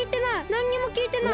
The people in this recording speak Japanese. なんにもきいてない！